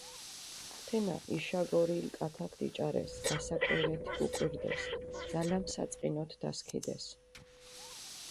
ათენა იშაგორილი კათაქ დიჭარეს, გასაკვირეთი გუკვირდეს, ძალამი საწყინოთ დასქიდეს.